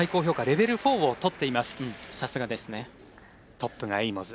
トップがエイモズ。